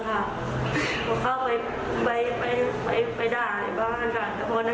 เขาเข้าไปไปไปไปไปด่าในบ้านอะ